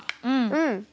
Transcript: うん！